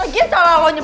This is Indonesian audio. dia salah lo nyebelin